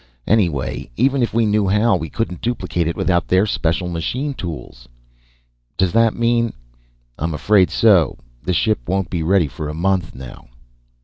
Anyway, even if we knew how, we couldn't duplicate it without their special machine tools." "Does that mean " "I'm afraid so. The ship won't be ready for a month, now."